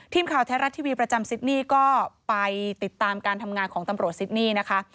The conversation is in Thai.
ทีมข่าวไทยรัฐทีวีประจำซิดนี่ก็ไปติดตามการทำงานของตำรวจซิดนี่นะคะ